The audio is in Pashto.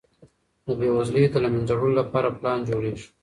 د بېوزلۍ د له منځه وړلو لپاره پلان جوړیږي.